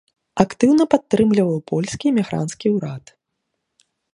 Актыўна падтрымліваў польскі эмігранцкі ўрад.